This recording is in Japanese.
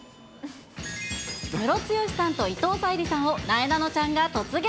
ムロツヨシさんと伊藤沙莉さんをなえなのちゃんが突撃。